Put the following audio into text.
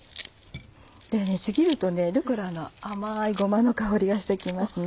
ちぎるとルッコラの甘いゴマの香りがして来ますね。